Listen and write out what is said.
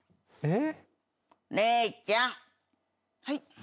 はい。